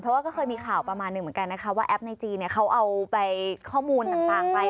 เพราะว่าก็เคยมีข่าวประมาณหนึ่งเหมือนกันนะคะว่าแอปในจีนเนี่ยเขาเอาไปข้อมูลต่างไป